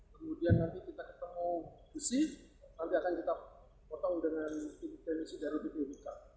kemudian nanti kita ketemu besi nanti akan kita potong dengan tipis dan isi dari tipis luka